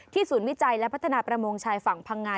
ศูนย์วิจัยและพัฒนาประมงชายฝั่งพังงา